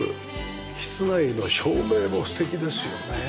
室内の照明も素敵ですよね。